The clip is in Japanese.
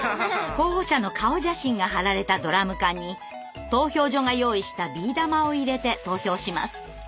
候補者の顔写真が貼られたドラム缶に投票所が用意したビー玉を入れて投票します。